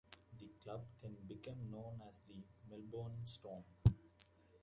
The club then became known as the Melbourne Storm.